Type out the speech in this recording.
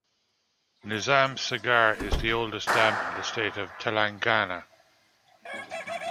Nizam Sagar is the oldest dam in the state of Telangana.